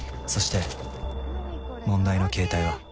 そして問題の携帯は。